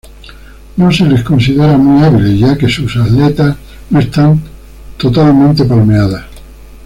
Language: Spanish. No se les considera muy hábiles, ya que sus aletas no estaban totalmente palmeadas.